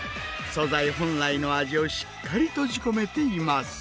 素材本来の味をしっかり閉じ込めています。